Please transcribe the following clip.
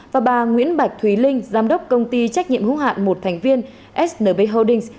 và bà nguyễn bạch thúy linh giám đốc công ty trách nhiệm hữu hạn một thành viên snb holdings